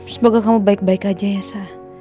semoga kamu baik baik aja ya sah